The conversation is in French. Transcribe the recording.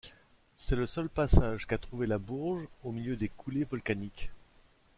C’est le seul passage qu’a trouvé la Bourges au milieu des coulées volcaniques.